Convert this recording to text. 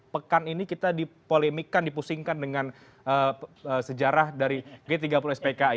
pekan ini kita dipolemikan dipusingkan dengan sejarah dari g tiga puluh spki